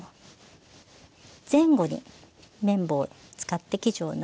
前後に麺棒を使って生地をのばします。